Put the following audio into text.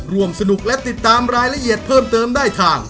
ร่วมสนุกและติดตามรายละเอียดเพิ่มเติมได้ทาง